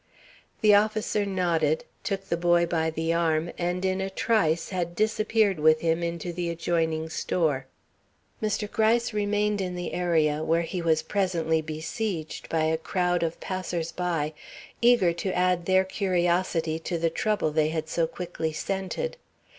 The officer nodded, took the boy by the arm, and in a trice had disappeared with him into the adjoining store. Mr. Gryce remained in the area, where he was presently besieged by a crowd of passers by, eager to add their curiosity to the trouble they had so quickly scented.